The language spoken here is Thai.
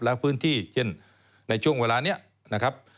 แล้วพื้นที่เช่นในช่วงเวลานี้นะครับ